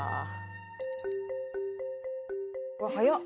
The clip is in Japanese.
「うわっ早っ！」